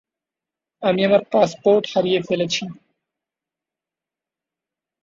আমি আমার পাসপোর্ট হারিয়ে ফেলেছি।